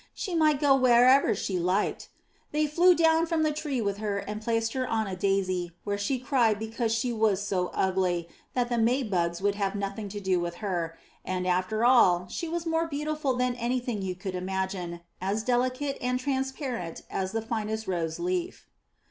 She might go wherever she liked ! They flew down from the tree with her and placed her on a daisy, where she cried because she was so ugly that the May bugs would have nothing to do with her; and after all, she was more beautiful than anything you could imagine, as delicate and transparent as the finest rose leaf.